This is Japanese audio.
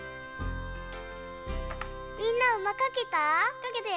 みんなはうまかけた？